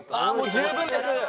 十分です。